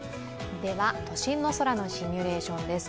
都心の空のシミュレーションです。